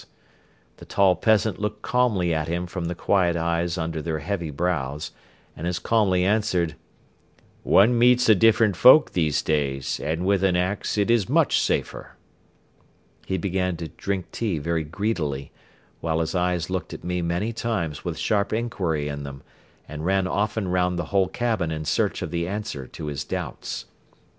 The tall peasant looked calmly at him from the quiet eyes under their heavy brows and as calmly answered: "One meets a different folk these days and with an ax it is much safer." He began to drink tea very greedily, while his eyes looked at me many times with sharp inquiry in them and ran often round the whole cabin in search of the answer to his doubts.